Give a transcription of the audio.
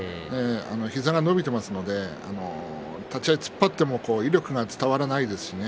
膝が伸びていますので立ち合い突っ張っても威力が伝わらないですしね。